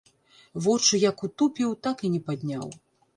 Вочы як утупіў, так і не падняў.